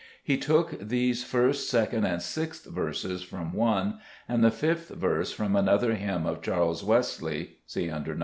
He took these 1st, 2d, and 6th verses from one, and the 5th verse from an other hymn of Charles Wesley (see under No.